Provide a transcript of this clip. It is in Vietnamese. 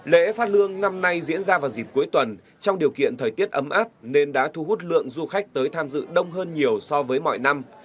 lễ phát lương năm nay diễn ra vào dịp cuối tuần trong điều kiện thời tiết ấm áp nên đã thu hút lượng du khách tới tham dự đông hơn nhiều so với mọi năm